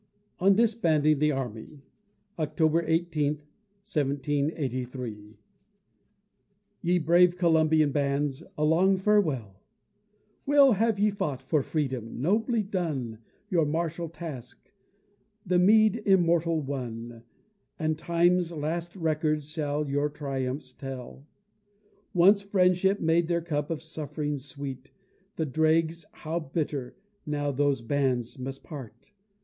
ON DISBANDING THE ARMY [October 18, 1783] Ye brave Columbian bands! a long farewell! Well have ye fought for freedom nobly done Your martial task the meed immortal won And Time's last records shall your triumphs tell. Once friendship made their cup of suff'rings sweet The dregs how bitter, now those bands must part!